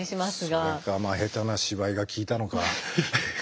それか下手な芝居が効いたのか。